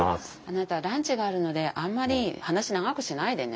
あなたランチがあるのであんまり話長くしないでね。